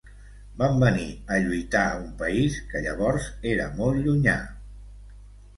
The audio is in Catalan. Van venir a lluitar a un país, que llavors era molt llunyà.